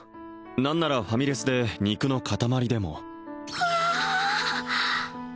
何ならファミレスで肉の塊でもわあ！